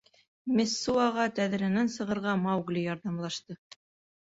Мессуаға тәҙрәнән сығырға Маугли ярҙамлашты.